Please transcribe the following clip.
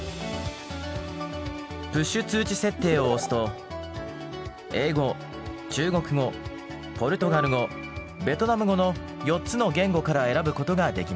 プッシュ通知設定を押すと英語中国語ポルトガル語ベトナム語の４つの言語から選ぶことができます。